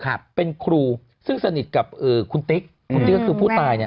แต่เป็นครูของคนติ๊กก็คือผู้ตายเนี่ย